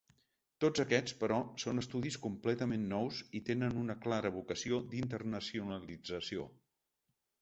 Tots aquests però, són estudis completament nous i tenen una clara vocació d’internacionalització.